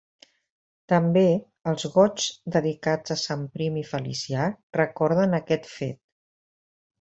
També els Goigs dedicats a Sant Prim i Felicià recorden aquest fet.